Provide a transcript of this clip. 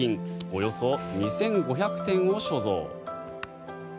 およそ２５００点を所蔵。